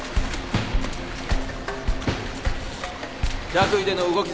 着衣での動き